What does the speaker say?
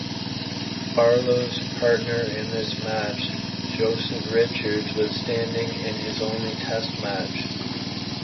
Barlow's partner in this match, Joseph Richards, was standing in his only Test match.